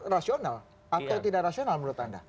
rasional atau tidak rasional menurut anda